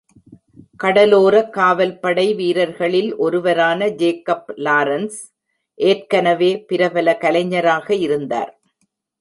கடலோர காவல்படை வீரர்களில் ஒருவரான ஜேக்கப் லாரன்ஸ், ஏற்கனவே பிரபல கலைஞராக இருந்தார்.